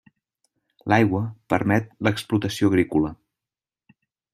L'aigua permet l'explotació agrícola.